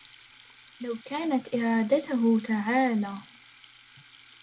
ولو كانت إرادته تعالى